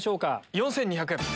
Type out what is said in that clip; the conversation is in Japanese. ４２００円。